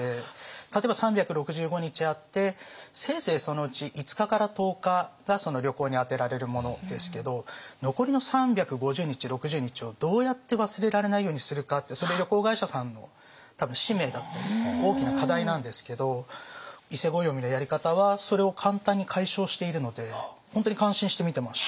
例えば３６５日あってせいぜいそのうち５日から１０日が旅行に充てられるものですけど残りの３５０日３６０日をどうやって忘れられないようにするかってそれ旅行会社さんの多分使命だったり大きな課題なんですけど伊勢暦のやり方はそれを簡単に解消しているので本当に感心して見てました。